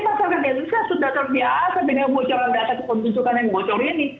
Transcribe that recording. jadi masyarakat indonesia sudah terbiasa dengan bocoran data kependudukan yang bocor ini